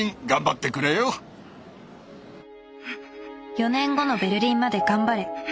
４年後のベルリンまで頑張れ。